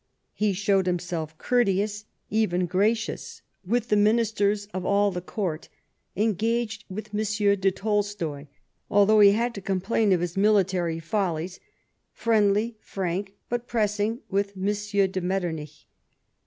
He showed himself courteous, even gracious, with the ministers of all the Court, engaged with M. de Tolstoy, although he had to complain of his military follies ; friendly, frank, but pressing with M. de Metter nich.